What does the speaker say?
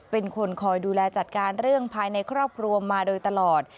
เป็นคนคอยดูแลจัดการเรื่องภายในครอบครัวมาโดยตลอด